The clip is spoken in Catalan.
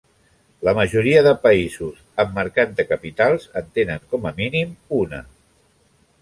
La majoria de països amb mercat de capitals en tenen com a mínim una.